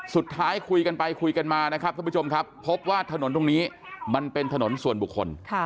สุดท้ายคุยกันไปคุยกันมานะครับท่านผู้ชมครับพบว่าถนนตรงนี้มันเป็นถนนส่วนบุคคล